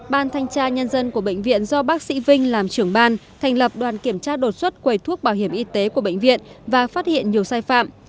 ban thanh tra nhân dân của bệnh viện do bác sĩ vinh làm trưởng ban thành lập đoàn kiểm tra đột xuất quầy thuốc bảo hiểm y tế của bệnh viện và phát hiện nhiều sai phạm